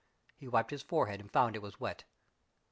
He wiped his forehead and found that it was wet.